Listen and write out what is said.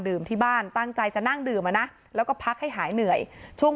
ที่บ้านตั้งใจจะนั่งดื่มอ่ะนะแล้วก็พักให้หายเหนื่อยช่วง